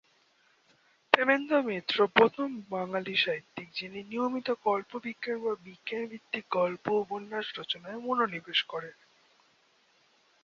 প্রেমেন্দ্র মিত্র প্রথম বাঙালি সাহিত্যিক যিনি নিয়মিত কল্পবিজ্ঞান বা বিজ্ঞান-ভিত্তিক গল্প-উপন্যাস রচনায় মনোনিবেশ করেন।